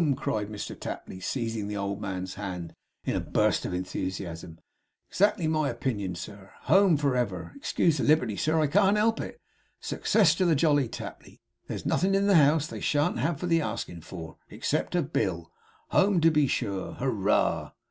'Home!' cried Mr Tapley, seizing the old man's hand in a burst of enthusiasm. 'Exactly my opinion, sir. Home for ever! Excuse the liberty, sir, I can't help it. Success to the Jolly Tapley! There's nothin' in the house they shan't have for the askin' for, except a bill. Home to be sure! Hurrah!